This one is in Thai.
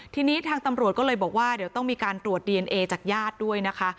ทีนี้ทางตำรวจก็เลยบอกว่าเดี๋ยวต้องมีการตรวจดีเอนเอจากญาติด้วยนะคะ